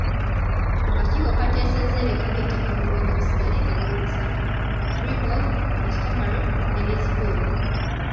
Akakiiko kaateesezza ebika by’ettaka mu ggwanga bisigale nga biri bisatu; Freehold, customary ne Leasehold.